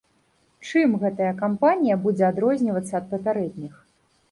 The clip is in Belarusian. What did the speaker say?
Чым гэтая кампанія будзе адрознівацца ад папярэдніх?